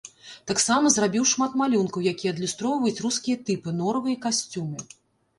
Таксама зрабіў шмат малюнкаў, якія адлюстроўваюць рускія тыпы, норавы і касцюмы.